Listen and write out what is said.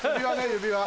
指輪。